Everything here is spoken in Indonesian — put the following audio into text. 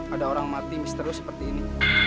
ada orang mati misterius seperti ini